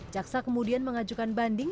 jaksa kemudian mengajukan banding